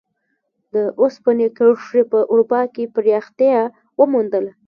د اوسپنې کرښې په اروپا کې پراختیا وموندله.